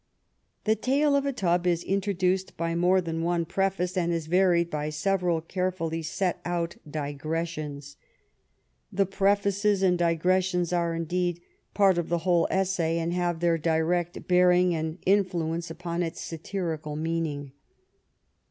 The Tale of a Tub is introduced by more than one preface, and is varied by several carefully set out di gressions. The prefaces and digressions are, indeed, part of the whole essay, and have their direct bearing and influence upon its satirical meaning.